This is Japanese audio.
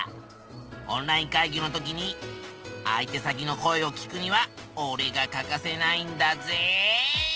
オンライン会議の時に相手先の声を聞くにはおれが欠かせないんだぜ。